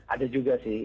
ada juga sih